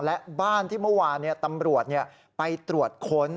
และบ้านที่เมื่อวานตำรวจไปตรวจค้น